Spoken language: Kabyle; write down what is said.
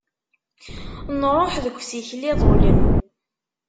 Nruḥ deg usikel iḍulen.